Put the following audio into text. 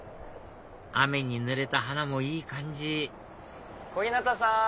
雨にぬれた花もいい感じ小日向さん！